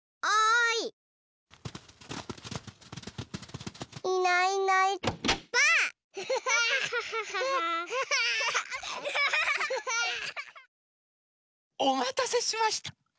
おまたせしました。